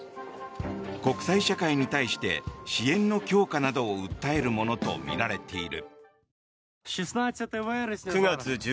国際社会に対して支援の強化などを訴えるものとみられている。